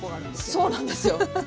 そうなんですよ。